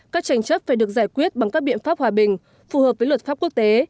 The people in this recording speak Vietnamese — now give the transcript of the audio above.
các tranh chấp phải được giải quyết bằng các biện pháp hòa bình phù hợp với luật pháp quốc tế